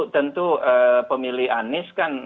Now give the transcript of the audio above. tentu pemilih anies kan